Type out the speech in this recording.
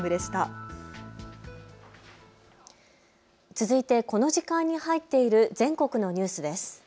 続いてこの時間に入っている全国のニュースです。